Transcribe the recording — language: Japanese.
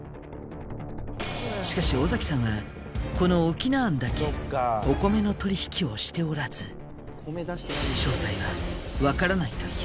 しかし尾崎さんはこの翁庵だけお米の取り引きをしておらず。という。